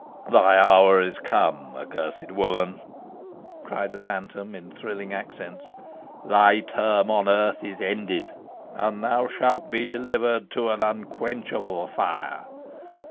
"Thy hour is come, accursed woman!" cried the phantom, in thrilling accents. "Thy term on earth is ended, and thou shalt be delivered to unquenchable fire.